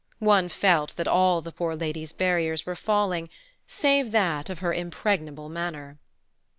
One felt that all the poor lady's barriers were falling save that of her impregnable manner.